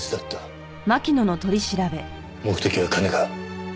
目的は金か？